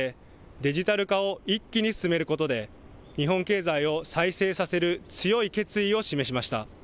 デジタル化を一気に進めることで日本経済を再生させる強い決意を示しました。